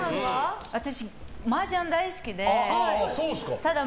私、マージャン大好きで。